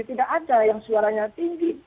tidak ada yang suaranya tinggi